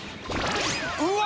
うわ！